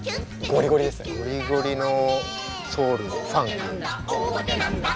ゴリゴリのソウルファンク。